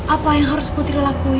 apa yang harus putri lakui